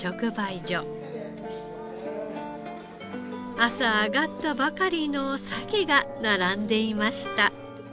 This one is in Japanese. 朝揚がったばかりのサケが並んでいました。